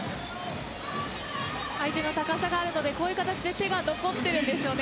相手、高さがあるのでこういう形で手が残っているんですよね。